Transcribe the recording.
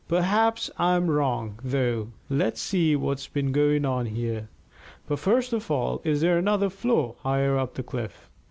Perhaps I'm wrong, though. Let's see what's been going on here. But first of all, is there another floor higher up the cliff?"